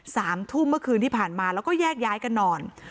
สามทุ่มเมื่อคืนที่ผ่านมาแล้วก็แยกย้ายกันนอน